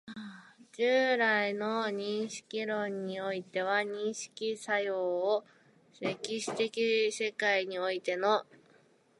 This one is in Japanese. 従来の認識論においては、認識作用を歴史的世界においての